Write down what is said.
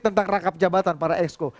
tentang rangkap jabatan para exco